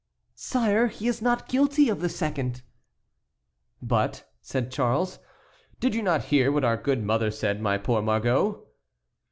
"Sire, he is not guilty of the second." "But," said Charles, "did you not hear what our good mother said, my poor Margot?"